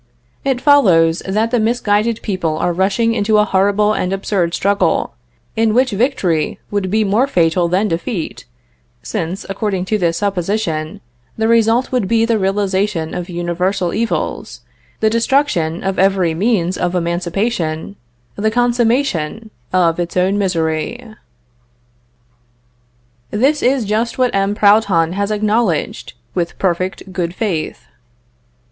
It follows, that the misguided people are rushing into a horrible and absurd struggle, in which victory would be more fatal than defeat, since, according to this supposition, the result would be the realization of universal evils, the destruction of every means of emancipation, the consummation of its own misery. This is just what M. Proudhon has acknowledged, with perfect good faith.